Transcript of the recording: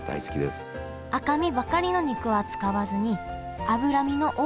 赤身ばかりの肉は使わずに脂身の多いものを使います